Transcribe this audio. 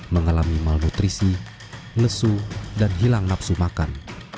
mengalami malnutrisi lesu dan hilang nafsu makan